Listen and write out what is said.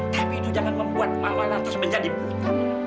tapi itu jangan membuat mama lantas menjadi putamu